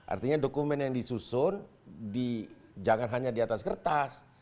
artinya dokumen yang disusun jangan hanya di atas kertas